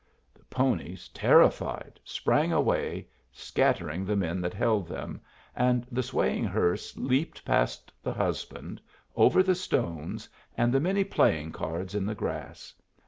The ponies, terrified, sprang away, scattering the men that held them, and the swaying hearse leaped past the husband, over the stones and the many playing cards in the grass.